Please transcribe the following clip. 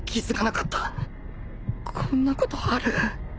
こんなことある？